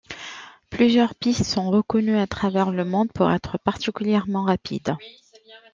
Plusieurs pistes sont reconnues à travers le monde pour être particulièrement rapides.